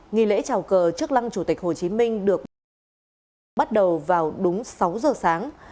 nghi lễ trào cờ trước lăng chủ tịch hồ chí minh được bắt đầu vào đúng sáu giờ sáng